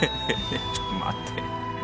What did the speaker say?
ちょっと待って。